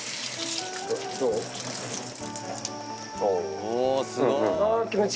おぉすごい。